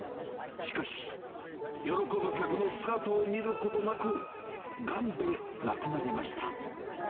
しかし、喜ぶ客の姿を見ることなく、がんで亡くなりました。